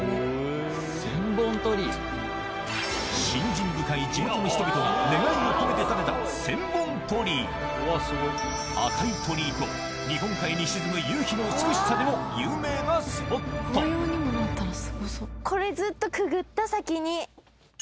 信心深い地元の人々が願いを込めて建てた赤い鳥居と日本海に沈む夕日の美しさでも有名なスポットが待ってます。